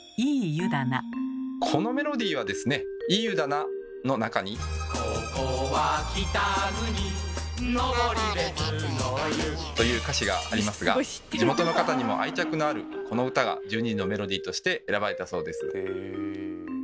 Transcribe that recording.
このメロディーはですね「いい湯だな」の中にという歌詞がありますが地元の方にも愛着のあるこの歌が１２時のメロディーとして選ばれたそうです。